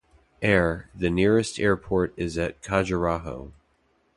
Air: The nearest airport is at Khajuraho.